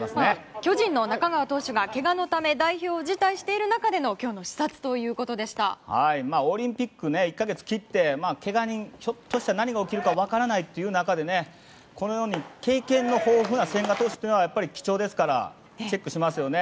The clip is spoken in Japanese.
巨人の中川投手がけがのため代表を辞退したことによるオリンピックまで１か月切って、けが人何があるか分からないということでこのように経験の豊富な千賀投手は貴重ですからチェックしますよね。